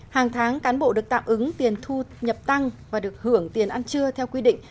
hàng tháng cán bộ được tạm ứng tiền thu nhập tăng và được hưởng tiền ăn trưa theo quy định